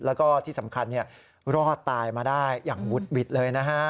แล้วก็ที่สำคัญรอดตายมาได้อย่างวุดหวิดเลยนะฮะ